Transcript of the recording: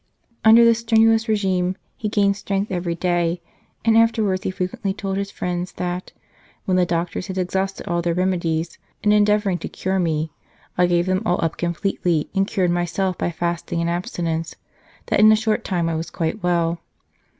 Under this strenuous regime he gained strength every day, and afterwards he frequently told his friends that, " when the doctors had exhausted all their remedies 100 Death of St. Pius V. in endeavouring to cure me, I gave them all up completely, and cured myself by fasting and ab stinence, that in a short time I was quite well."